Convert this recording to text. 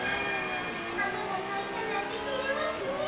はながさいたなんててれますねえ。